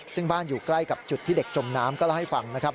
ซึ่งบ้านอยู่ใกล้กับจุดที่เด็กจมน้ำก็เล่าให้ฟังนะครับ